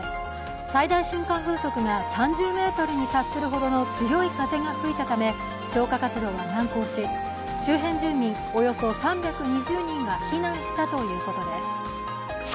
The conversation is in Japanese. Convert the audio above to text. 最大瞬間風速が３０メートルに達するほどの強い風が吹いたため消火活動は難航し、周辺住民およそ３２０人が避難したということです。